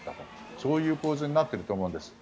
そういう構図になっていると思うんです。